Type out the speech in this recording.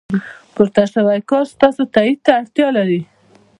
پورته شوی کار ستاسو تایید ته اړتیا لري.